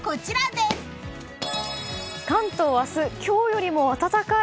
関東明日、今日よりも暖かい。